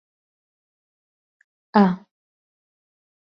ئا.